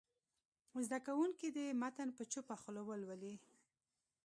زده کوونکي دې متن په چوپه خوله ولولي.